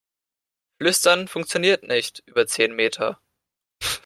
Flüstern funktioniert nicht über zehn Meter.